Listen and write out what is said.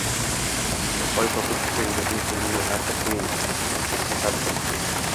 Hoy popuk, ukangizni burnini artib qo‘ying, tasadduq!